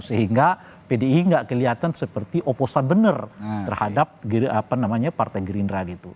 sehingga pdi nggak kelihatan seperti oposan benar terhadap partai gerindra gitu